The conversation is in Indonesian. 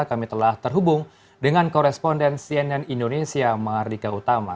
kami telah terhubung dengan koresponden cnn indonesia mardika utama